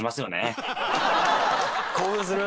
興奮する！